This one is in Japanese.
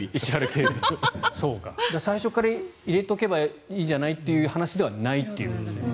最初から入れておけばいいじゃないっていう話ではないということですね。